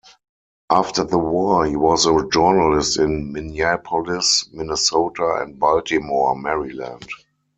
After the war, he was a journalist in Minneapolis, Minnesota and Baltimore, Maryland.